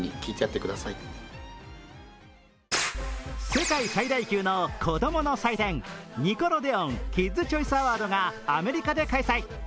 世界最大級の子供の祭典ニコロデオン・キッズ・チョイス・アワードがアメリカで開催。